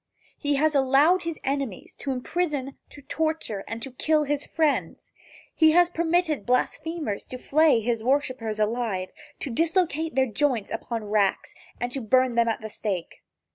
He has allowed his enemies to imprison, to torture and to kill his friends. He has permitted blasphemers to flay his worshipers alive, to dislocate their joints upon racks, and to burn them at the stake.